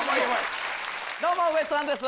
どうもウエストランドです